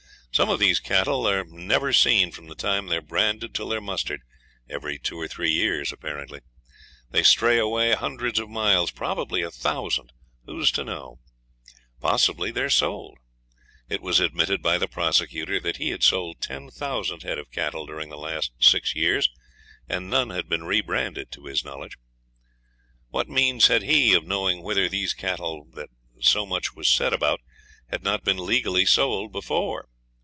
Some of these cattle are never seen from the time they are branded till they are mustered, every two or three years apparently. They stray away hundreds of miles probably a thousand who is to know? Possibly they are sold. It was admitted by the prosecutor that he had sold 10,000 head of cattle during the last six years, and none had been rebranded to his knowledge. What means had he of knowing whether these cattle that so much was said about had not been legally sold before?